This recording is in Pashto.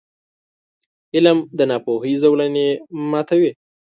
• علم، د ناپوهۍ زولنې ماتوي.